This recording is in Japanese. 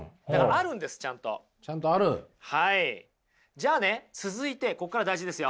じゃあね続いてここから大事ですよ。